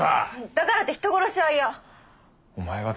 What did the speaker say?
だからって人殺しは嫌！